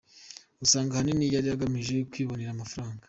ugasanga ahanini yari agamije kwibonera amafaranga.